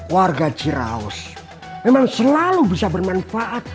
warga ciraus memang selalu bisa bermanfaat